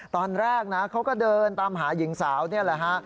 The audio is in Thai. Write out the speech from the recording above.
ตอนแรกนะเขาก็เดินตามหาหญิงสาวนี่แหละฮะ